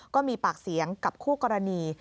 ก็มีปากเสียงกับคู่กรณี